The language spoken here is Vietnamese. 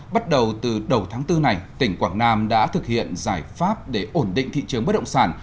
bắt đầu từ đầu tháng bốn này tỉnh quảng nam đã thực hiện giải pháp để ổn định thị trường bất động sản